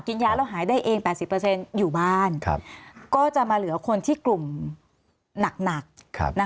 ยาแล้วหายได้เอง๘๐อยู่บ้านก็จะมาเหลือคนที่กลุ่มหนัก